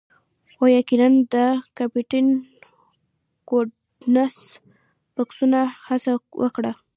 هو یقیناً د کیپټن ګوډنس بکسونه هڅه وکړه